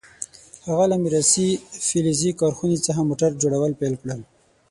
هغه له میراثي فلزي کارخونې څخه موټر جوړول پیل کړل.